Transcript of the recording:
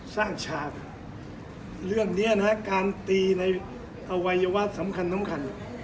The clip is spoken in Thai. ฉากเรื่องนี้นะฮะการตีในอวัยวะสำคัญสำคัญ